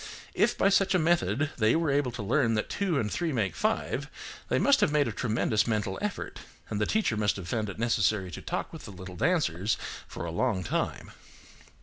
If by such a method they were able to learn that two and three make five, they must have made a tremendous mental effort, and the teacher must have found it necessary to talk with the little dancers for a long time.